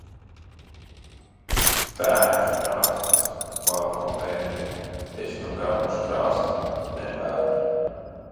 Bēg uz krāsns. Bail no pēriena. Es nu gan uz krāsni nebēgtu.